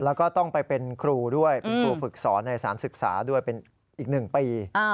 แล้วก็ต้องไปเป็นครูด้วยเป็นครูฝึกสอนในสารศึกษาด้วยเป็นอีก๑ปี